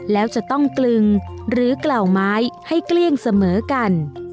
แล้วจะต้องกลึงหรือกล่าวไม้ให้เกลี้ยงเสมอกัน